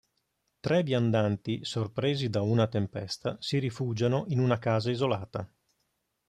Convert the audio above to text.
Tre viandanti sorpresi da una tempesta si rifugiano in una casa isolata.